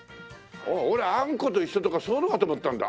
俺あんこと一緒とかそういうのかと思ったんだ。